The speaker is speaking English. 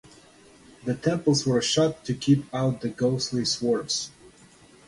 The temples were shut to keep out the ghostly swarms.